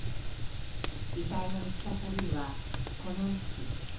遺体が見つかったビルはこの位置。